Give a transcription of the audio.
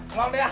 keluang deh ah